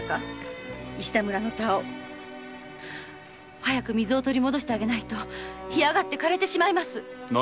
早く水を取り戻してあげないと干上がって枯れてしまいます。